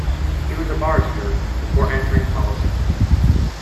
He was a barrister before entering politics.